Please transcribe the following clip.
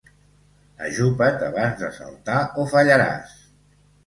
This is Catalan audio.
Ajupa't abans de saltar o fallaràs.